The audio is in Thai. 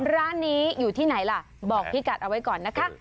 ร้านนี้อยู่ที่ไหนล่ะบอกพี่กัดเอาไว้ก่อนนะคะ